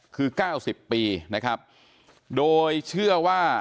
คือ๙๐ปีนะครับโดยเชื่อว่า